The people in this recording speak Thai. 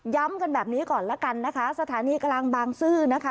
กันแบบนี้ก่อนละกันนะคะสถานีกลางบางซื่อนะคะ